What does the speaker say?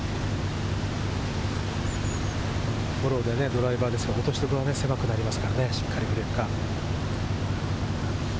フォローでドライバーですから、落としどころは狭くなりますから、しっかり振れるか？